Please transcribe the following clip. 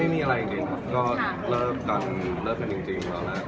อาสะรงเผื้อแล้วความลักษณ์จนคอยค่ะ